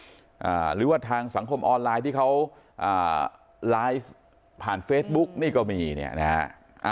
หรือว่าทางสังคมออนไลน์ที่เขาอ่าไลฟ์ผ่านเฟซบุ๊กนี่ก็มีเนี่ยนะฮะ